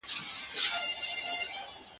سم په لاره کی اغزی د ستوني ستن سي